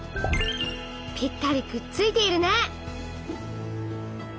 ぴったりくっついているね！